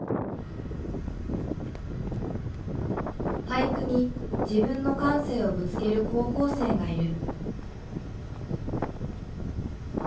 俳句に自分の感性をぶつける高校生がいる。